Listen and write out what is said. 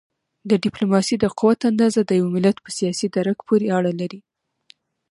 د ډیپلوماسی د قوت اندازه د یو ملت په سیاسي درک پورې اړه لري.